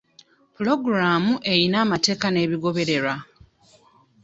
Puloogulaamu eyina amateeka n'ebigobererwa.